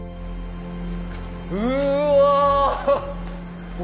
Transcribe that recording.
うわ！